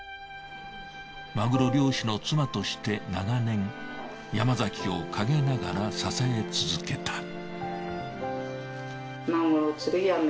マグロ漁師の妻として長年山崎を陰ながら支え続けた。